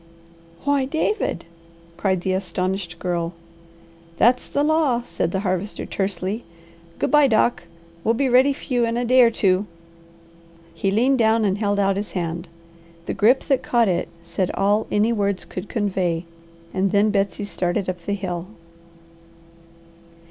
"Why David!" cried the astonished Girl. "That's the law!" said the Harvester tersely. "Good bye, Doc; we'll be ready for you in a day or two." He leaned down and held out his hand. The grip that caught it said all any words could convey; and then Betsy started up the hill.